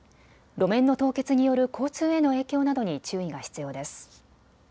路面の凍結による交通への影響などに注意が必要です。